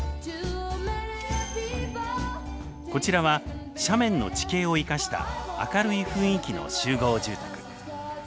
こちらは斜面の地形を生かした明るい雰囲気の集合住宅。